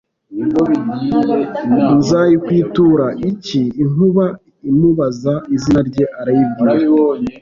nzayikwitura iki Inkuba imubaza izina rye arayibwira